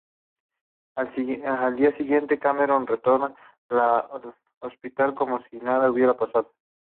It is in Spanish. Al día siguiente Cameron retorna al hospital como si nada hubiera pasado.